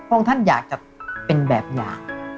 องค์ท่านอยากจะเป็นแบบอย่าง